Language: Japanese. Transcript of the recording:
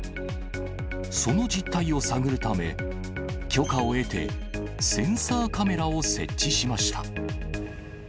その実態を探るため、許可を得て、センサーカメラを設置しました。